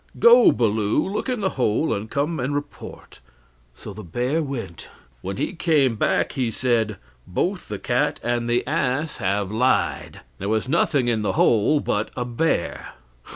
Go, Baloo, look in the hole, and come and report." So the bear went. When he came back, he said: "Both the cat and the ass have lied; there was nothing in the hole but a bear."